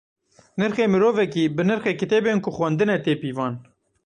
Nirxê mirovekî bi nirxê kitêbên ku xwendine tê pîvan.